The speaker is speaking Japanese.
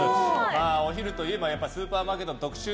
お昼といえばスーパーマーケットの特集